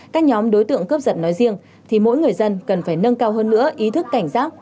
các nhóm đối tượng cướp giật nói riêng thì mỗi người dân cần phải nâng cao hơn nữa ý thức cảnh giác